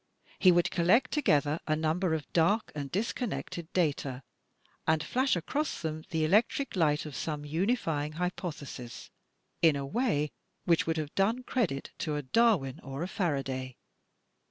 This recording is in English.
He would collect together a ntunber of dark and disconnected data and flash across them the electric light of some unifying hypothesis in a way which would have done credit to a Darwin or a Faraday.